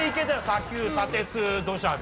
砂丘砂鉄土砂で。